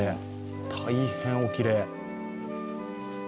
大変おきれい。